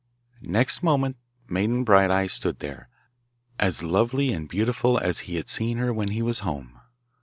Next moment Maiden Bright eye stood there, as lovely and beautiful as he had seen her when he was home.